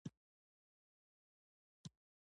د مازدیګر څلور بجې جدې ته ځو.